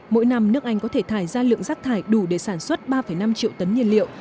mỗi năm nước anh có thể thải ra lượng rác thải đủ để sản xuất ba năm triệu tấn nhiên liệu